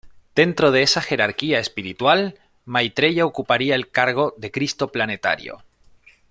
Dentro de esa Jerarquía Espiritual, Maitreya ocuparía el cargo de Cristo Planetario.